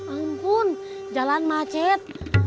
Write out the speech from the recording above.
ampun jalan macet